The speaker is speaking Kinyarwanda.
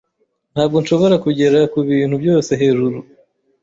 Ntabwo nshobora kugera kubintu byose hejuru.